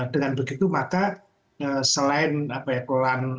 dengan begitu maka selain apa ya